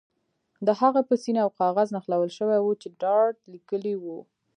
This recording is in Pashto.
د هغه په سینه یو کاغذ نښلول شوی و چې ډارت لیکلي وو